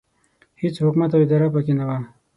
هېڅ حکومت او اداره پکې نه وه.